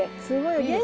すごいよ。